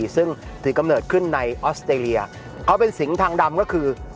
ซึ่งถือกำเนิดขึ้นในออสเตรเลียเขาเป็นสิงห์ทางดำก็คือ